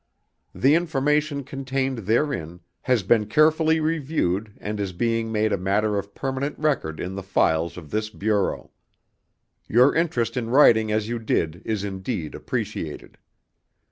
The information contained therein has been carefully reviewed and is being made a matter of permanent record in the files of this Bureau. Your interest in writing as you did is indeed appreciated.